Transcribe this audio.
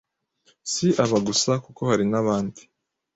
Si aba gusa kuko hari nabandi,